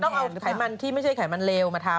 ต้องเอาไขมันที่ไม่ใช่ไขมันเลวมาทำ